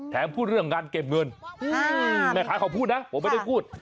พูดเรื่องงานเก็บเงินแม่ค้าเขาพูดนะผมไม่ได้พูด